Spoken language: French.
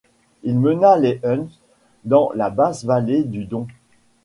Il mena les Huns dans la basse vallée du Don.